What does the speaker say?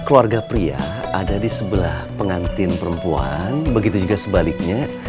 keluarga pria ada di sebelah pengantin perempuan begitu juga sebaliknya